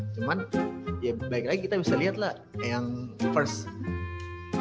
cuman ya baik lagi kita bisa lihatlah yang first